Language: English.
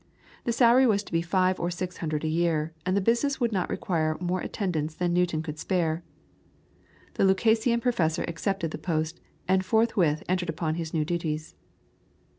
The salary was to be five or six hundred a year, and the business would not require more attendance than Newton could spare. The Lucasian professor accepted this post, and forthwith entered upon his new duties.